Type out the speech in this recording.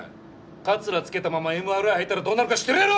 カツラつけたままＭＲＩ入ったらどうなるか知ってるやろ！